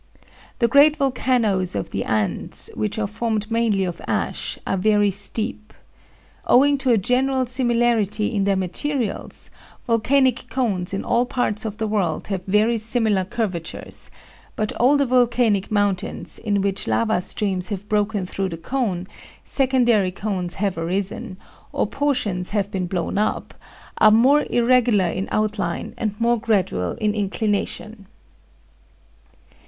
The great volcanoes of the Andes, which are formed mainly of ash, are very steep. Owing to a general similarity in their materials, volcanic cones in all parts of the world have very similar curvatures; but older volcanic mountains, in which lava streams have broken through the cone, secondary cones have arisen, or portions have been blown up, are more irregular in outline and more gradual in inclination.